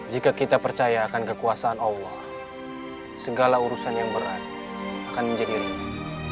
jika kita percaya akan kekuasaan allah segala urusan yang berat akan menjadi ringan